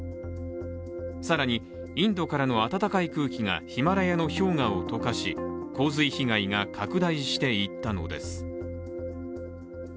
更にインドからの暖かい空気がヒマラヤの氷河を溶かし洪水被害が拡大していったのです。